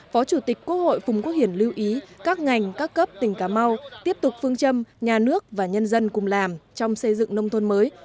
phó chủ tịch quốc hội phùng quốc hiển lưu ý các ngành các cấp tỉnh cà mau tiếp tục phương châm nhà nước và nhân dân cùng làm trong xây dựng nông thôn mới